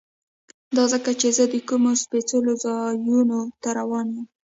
دا ځکه چې زه د کومو سپېڅلو ځایونو ته روان یم.